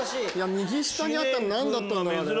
右下にあったの何だった？